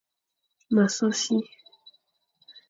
M a so si.